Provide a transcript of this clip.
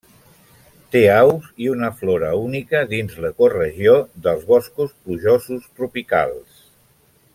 Té aus i una flora única dins l'ecoregió dels boscos plujosos tropicals.